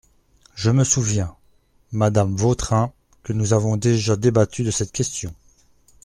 Je me souviens, madame Vautrin, que nous avons déjà débattu de cette question.